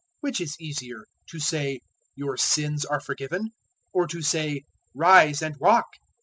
005:023 Which is easier? to say, `Your sins are forgiven,' or to say, `Rise and walk'?